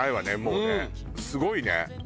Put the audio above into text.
すごいね。